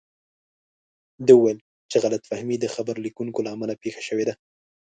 ده وویل چې غلط فهمي د خبر لیکونکو له امله پېښه شوې ده.